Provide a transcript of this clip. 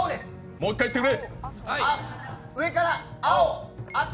もう一回言ってくれ。